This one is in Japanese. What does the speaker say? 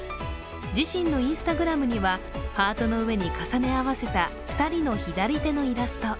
自身のＩｎｓｔａｇｒａｍにはハートの上に重ね合わせた２人の左手のイラスト。